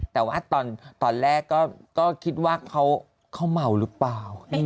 แต่ว่าตอนแรกก็คิดว่าเขาเมาหรือเปล่า